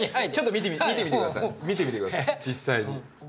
見てみてください実際に。